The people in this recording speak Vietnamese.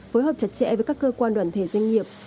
phối hợp chặt chẽ với các cơ quan đoàn thể doanh nghiệp